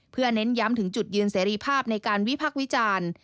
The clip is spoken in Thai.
เพื่อเน้นย้ำถึงจุดยืนเสรีภาพในการวิพักษ์วิจารณ์